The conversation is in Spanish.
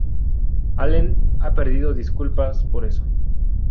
Allen ha pedido disculpas por eso.